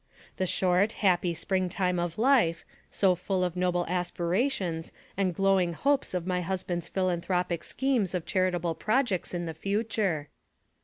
The short, happy spring time of life, so full of noble aspirations, and glowing hopes of my husband's philanthropic schemes of chari table projects in the future.